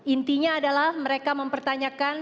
intinya adalah mereka mempertanyakan